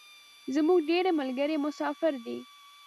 زمونږ ډیری ملګري مسافر دی